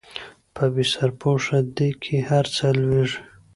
په بې سرپوښه ديګ کې هر څه لوېږي